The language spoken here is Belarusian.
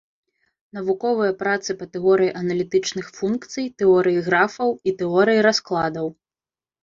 Навуковыя працы па тэорыі аналітычных функцый, тэорыі графаў і тэорыі раскладаў.